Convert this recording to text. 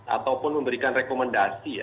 ataupun memberikan rekomendasi